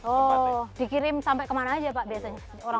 oh dikirim sampai kemana aja pak biasanya